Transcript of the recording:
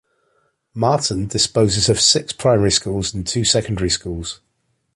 Marton disposes of six primary schools and two secondary schools.